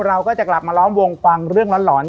เราก็จะกลับมาล้อมวงฟังเรื่องหลอน